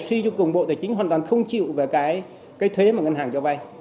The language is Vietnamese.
suy chung bộ tài chính hoàn toàn không chịu về cái thuế mà ngân hàng cho vay